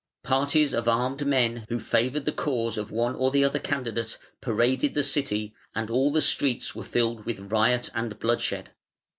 Parties of armed men who favoured the cause of one or the other candidate paraded the City, and all the streets were filled with riot and bloodshed.